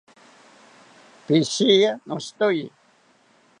Pishiya, noshitoye